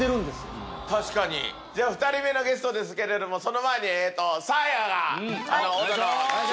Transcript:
じゃあ２人目のゲストですけれどもその前にサーヤが。